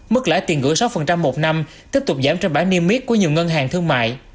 mức lãi tiền gửi sáu một năm tiếp tục giảm trên bảng niêm miết của nhiều ngân hàng thương mại